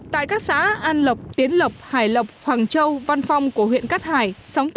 tại các xã an lập tiến lập hải lập hoàng châu văn phong của huyện cát hải